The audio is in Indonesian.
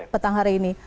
petang hari ini